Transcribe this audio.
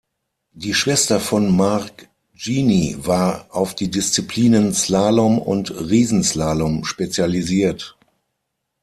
Die Schwester von Marc Gini war auf die Disziplinen Slalom und Riesenslalom spezialisiert.